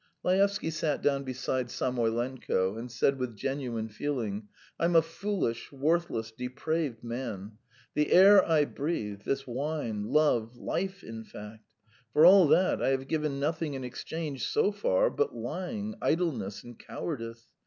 Laevsky sat down beside Samoylenko, and said with genuine feeling: "I'm a foolish, worthless, depraved man. The air I breathe, this wine, love, life in fact for all that, I have given nothing in exchange so far but lying, idleness, and cowardice.